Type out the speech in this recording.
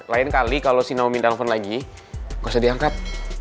lain kali kalo si naomi telepon lagi gak usah diangkat